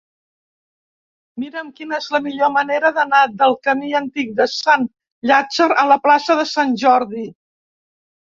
Mira'm quina és la millor manera d'anar del camí Antic de Sant Llàtzer a la plaça de Sant Jordi.